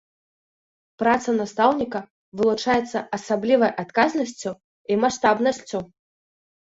Праца настаўніка вылучаецца асаблівай адказнасцю і маштабнасцю.